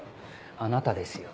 あなたですよ